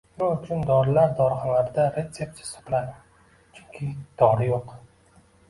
Nima uchun dorilar dorixonalarda retseptisiz sotiladi? Chunki dori yo'q